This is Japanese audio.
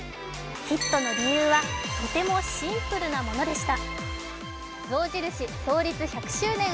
ヒットの理由はとてもシンプルなものでした。